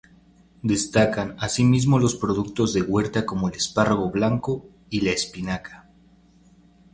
Destacan asimismo los productos de huerta como el espárrago blanco y la espinaca.